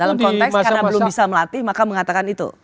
dalam konteks karena belum bisa melatih maka mengatakan itu